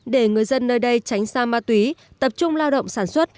để người dân nơi đây tránh xa ma túy tập trung lao động sản xuất